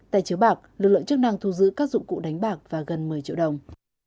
tại chiếu bạc lực lượng chức năng thu giữ các dụng cụ đánh bạc và gần một mươi triệu đồng